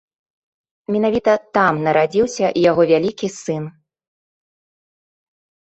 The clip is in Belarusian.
Менавіта там нарадзіўся яго вялікі сын.